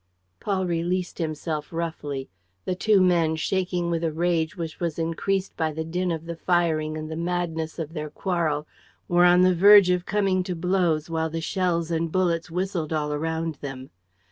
Paul released himself roughly. The two men, shaking with a rage which was increased by the din of the firing and the madness of their quarrel, were on the verge of coming to blows while the shells and bullets whistled all around them.